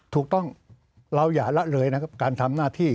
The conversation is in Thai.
ถูกต้องเราอย่าละเลยนะครับการทำหน้าที่